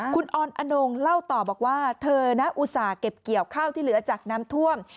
คุณออนอนงเล่าต่อบอกว่าเธอนะอุตส่าห์เก็บเกี่ยวข้าวที่เหลือจากน้ำท่วม